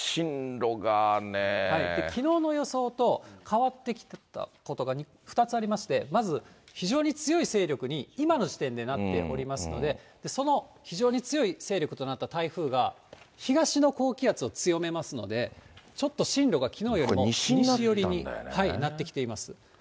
きのうの予想と変わってきたことが２つありまして、まず非常に強い勢力に今の時点でなっておりますので、その非常に強い勢力となった台風が、東の高気圧を強めますので、ちょっと進路がきのうよりも西寄りになってきています。